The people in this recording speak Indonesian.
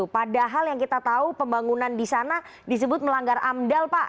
padahal yang kita tahu pembangunan di sana disebut melanggar amdal pak